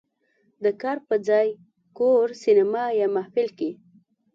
"د کار په ځای، کور، سینما یا محفل" کې